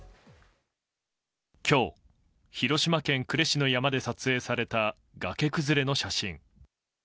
今日、広島県呉市の山で撮影された崖崩れの写真。